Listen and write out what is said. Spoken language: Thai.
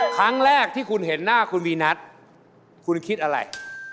ครั้งแรกที่คุณเห็นหน้าคุณวีนัทคุณคิดอะไร